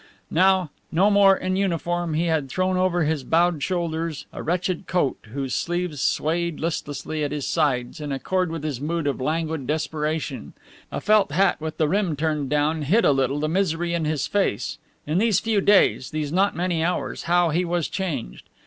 Now, no more in uniform, he had thrown over his bowed shoulders a wretched coat, whose sleeves swayed listlessly at his sides, in accord with his mood of languid desperation, a felt hat with the rim turned down hid a little the misery in his face in these few days, these not many hours, how he was changed!